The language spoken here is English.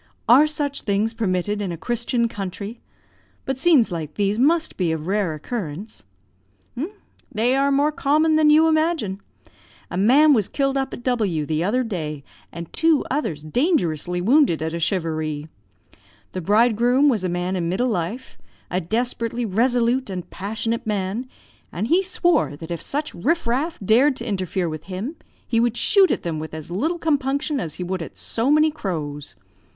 are such things permitted in a Christian country? But scenes like these must be of rare occurrence?" "They are more common than you imagine. A man was killed up at W the other day, and two others dangerously wounded, at a charivari. The bridegroom was a man in middle life, a desperately resolute and passionate man, and he swore that if such riff raff dared to interfere with him, he would shoot at them with as little compunction as he would at so many crows.